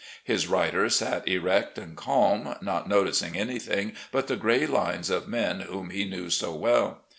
His rider sat erect and calm, not noticing anything but the gray lines of men whom he knew so well.